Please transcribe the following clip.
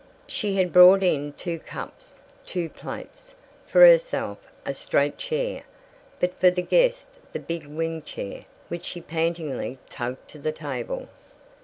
She had brought in two cups, two plates. For herself, a straight chair, but for the guest the big wing chair, which she pantingly tugged to the table.